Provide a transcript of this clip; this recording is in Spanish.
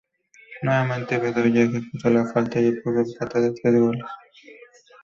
Nuevamente Bedoya ejecutó la falta y puso el empate a tres goles.